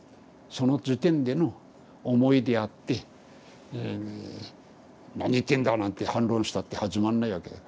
その時点での思いであって「何言ってんだ」なんて反論したって始まんないわけだ。